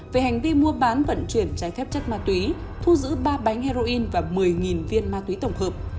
về hành vi mua bán vận chuyển trái phép chất ma túy thu giữ ba bánh heroin và một mươi viên ma túy tổng hợp